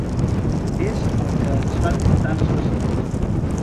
És el que ens fan tan especials.